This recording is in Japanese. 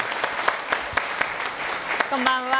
こんばんは。